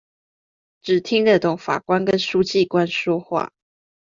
只聽得懂法官跟書記官說話